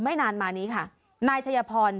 นานมานี้ค่ะนายชัยพร